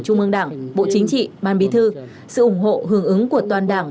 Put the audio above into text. trung ương đảng bộ chính trị ban bí thư sự ủng hộ hưởng ứng của toàn đảng